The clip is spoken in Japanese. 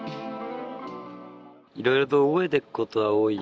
いろいろと覚えていく事は多い。